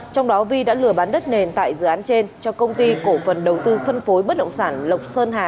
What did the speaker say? trong đó vi đã lừa bán đất nền tại dự án trên cho công ty cổ phần đầu tư phân phối bất động sản lộc sơn hà